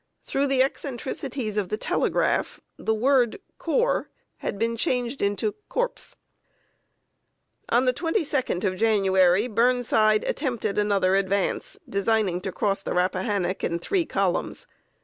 Through the eccentricities of the telegraph, the word corps had been changed into corpse. On the 22d of January, Burnside attempted another advance, designing to cross the Rappahannock in three columns.